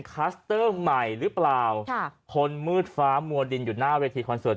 คัสเตอร์ใหม่หรือเปล่าค่ะคนมืดฟ้ามัวดินอยู่หน้าเวทีคอนเสิร์ต